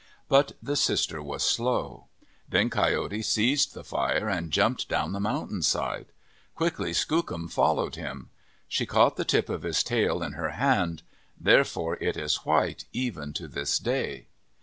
But the sister was slow. Then Coyote seized the fire and jumped down the mountain side. Quickly Skookum followed him. She caught the tip of his tail in her hand ; therefore it is white, even to this day.